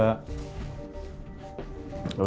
gak usah sedih sedih lagi kamu